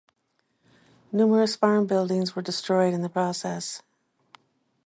Numerous farm buildings were destroyed in the process.